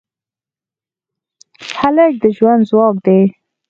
هلک د ژوند ځواک دی.